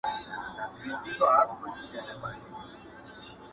يوه اوازه خپرېږي چي نجلۍ له کلي بهر تللې ده